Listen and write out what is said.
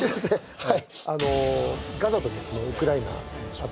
はい